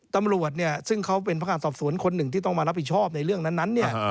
ตำรวจเนี่ยซึ่งเขาเป็นพนักงานสอบสวนคนหนึ่งที่ต้องมารับผิดชอบในเรื่องนั้นเนี่ย